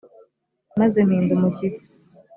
maze mpinda umushyitsi